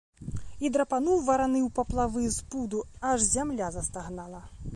І драпануў вараны ў паплавы з пуду, аж зямля застагнала.